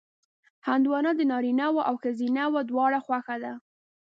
هندوانه د نارینهوو او ښځینهوو دواړو خوښه ده.